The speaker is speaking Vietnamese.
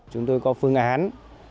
chúng tôi có phương án